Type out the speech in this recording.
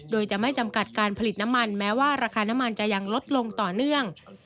โดยจะไม่จำกัดการผลิตน้ำมันแม้ว่าราคาน้ำมันจะยังลดลงต่อเนื่อง